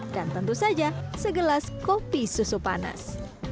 dan tentu saja segelas kopi susu panas